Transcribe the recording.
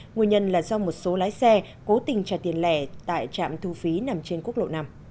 nguyên nhân là do một số lái xe cố tình trả tiền lẻ tại trạm thu phí nằm trên quốc lộ năm